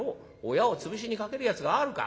親をつぶしにかけるやつがあるか。